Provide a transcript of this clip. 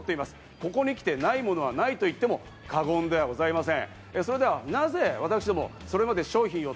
ここに来て、無いものはないと言っても過言ではございません。